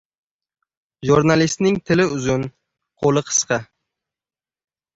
Jurnalistning tili uzun, qo‘li qisqa.